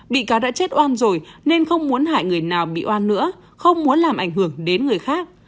bị cáo đã chết oan rồi nên không muốn hại người nào bị oan nữa không muốn làm ảnh hưởng đến người khác